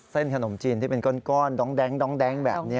ขนมจีนที่เป็นก้อนดองแดงแบบนี้